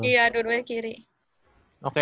iya dua duanya kiri